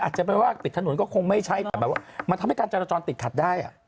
จะไปว่าปิดถนนก็คงไม่ใช่แต่แบบว่ามันทำให้การจรจรติดขัดได้